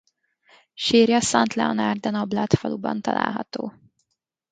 Sírja Saint-Léonard-de-Noblat faluban található.